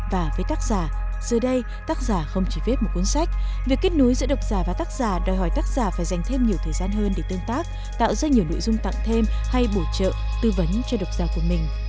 và với tác giả giờ đây tác giả không chỉ viết một cuốn sách việc kết nối giữa độc giả và tác giả đòi hỏi tác giả phải dành thêm nhiều thời gian hơn để tương tác tạo ra nhiều nội dung tặng thêm hay bổ trợ tư vấn cho độc giả của mình